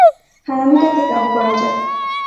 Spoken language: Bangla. হারামিটাকে কাবু করা যাক।